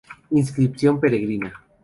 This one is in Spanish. Inscripción peregrina.